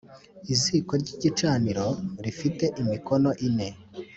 Iziko ry igicaniro ri te imikono ine